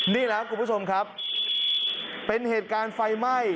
นี่แหละคุณผู้ชมครับเป็นเหตุการณ์ไฟไหม้